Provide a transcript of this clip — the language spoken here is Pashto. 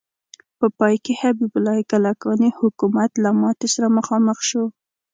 په پای کې حبیب الله کلکاني حکومت له ماتې سره مخامخ شو.